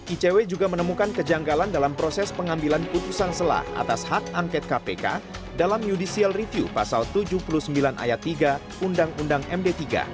icw juga menemukan kejanggalan dalam proses pengambilan putusan selah atas hak angket kpk dalam judicial review pasal tujuh puluh sembilan ayat tiga undang undang md tiga